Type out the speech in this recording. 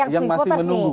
yang masih menunggu